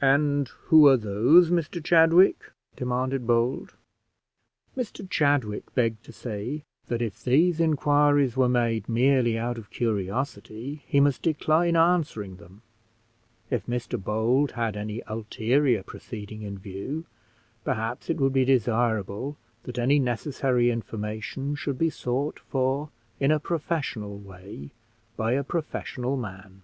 "And who are those, Mr Chadwick?" demanded Bold. Mr Chadwick begged to say that if these inquiries were made merely out of curiosity, he must decline answering them: if Mr Bold had any ulterior proceeding in view, perhaps it would be desirable that any necessary information should be sought for in a professional way by a professional man.